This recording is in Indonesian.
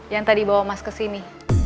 yang tadi bawa mas kesini